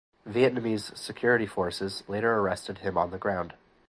Vietnamese security forces later arrested him on the ground.